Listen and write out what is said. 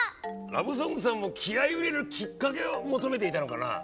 ラブソングさんも気合いを入れるきっかけを求めていたのかなぁ。